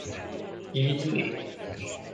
Így ni!